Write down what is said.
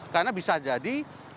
karena bisa jadi